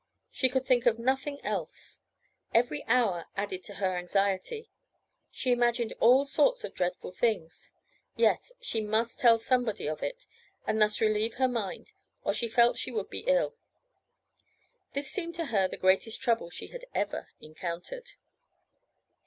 She could think of nothing else. Every hour added to her anxiety. She imagined all sorts of dreadful things. Yes, she must tell somebody of it and thus relieve her mind or she felt she would be ill. This seemed to her the greatest trouble she had ever encountered.